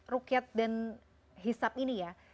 rukyat dan hisap ini ya